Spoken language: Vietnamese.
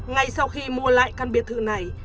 ngay sau khi mua lại căn biệt thự này